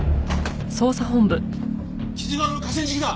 木津川の河川敷だ！